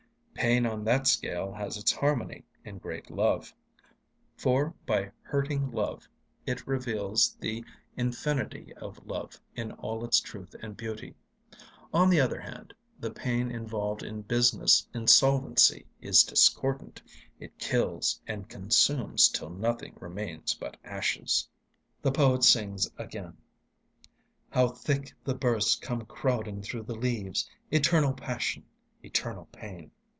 Pain on that scale has its harmony in great love; for by hurting love it reveals the infinity of love in all its truth and beauty. On the other hand, the pain involved in business insolvency is discordant; it kills and consumes till nothing remains but ashes. The poet sings again: How thick the bursts come crowding through the leaves! Eternal Passion! Eternal Pain!